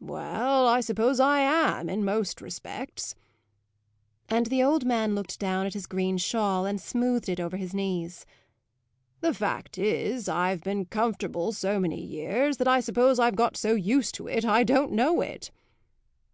"Well, I suppose I am, in most respects." And the old man looked down at his green shawl and smoothed it over his knees. "The fact is I've been comfortable so many years that I suppose I've got so used to it I don't know it."